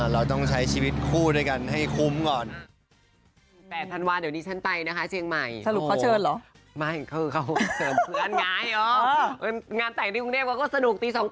เราต้องใช้ชีวิตคู่ด้วยกันให้คุ้มก่อน